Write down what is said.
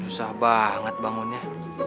susah banget bangunnya